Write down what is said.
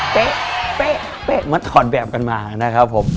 เป๊ะเป๊ะมาถอดแบบกันมานะครับผม